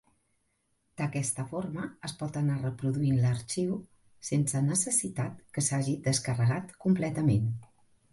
D'aquesta forma es pot anar reproduint l'arxiu sense necessitat que s'hagi descarregat completament.